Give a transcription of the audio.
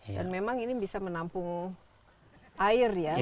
dan memang ini bisa menampung air ya